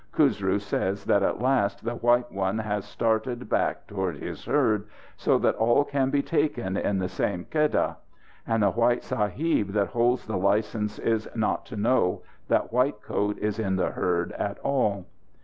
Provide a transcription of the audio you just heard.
Khusru says that at last the white one has started back toward his herd, so that all can be taken in the same keddah. And the white sahib that holds the license is not to know that White Coat is in the herd at all."